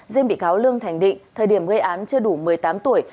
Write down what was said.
riêng bị cáo lương thành định thời điểm gây án chưa đủ một mươi tám tuổi